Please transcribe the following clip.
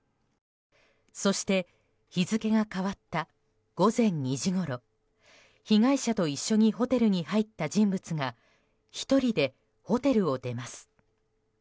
そして、日付が変わった午前２時ごろ被害者と一緒にホテルに入った人物が１人でホテルを出ます。